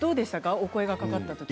お声がかかったとき。